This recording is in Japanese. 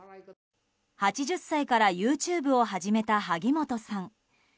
８０歳からＹｏｕＴｕｂｅを始めた萩本さん。